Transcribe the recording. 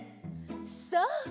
そう！